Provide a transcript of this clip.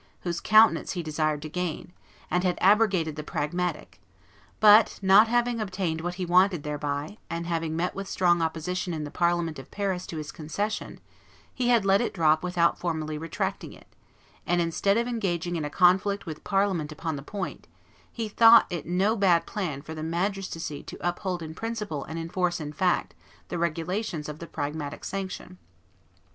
whose countenance he desired to gain, and had abrogated the Pragmatic; but, not having obtained what he wanted thereby, and having met with strong opposition in the Parliament of Paris to his concession, he had let it drop without formally retracting it, and, instead of engaging in a conflict with Parliament upon the point, he thought it no bad plan for the magistracy to uphold in principle and enforce in fact the regulations of the Pragmatic Sanction.